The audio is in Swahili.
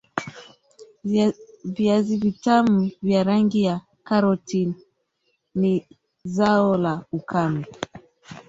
viazi vitamu vya rangi ya karoti ni zao la ukame